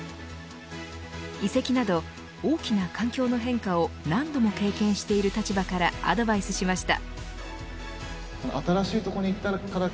移籍など大きな環境の変化を何度も経験している立場からアドバイスしました。